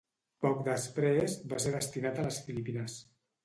Poc després, va ser destinat a les Filipines.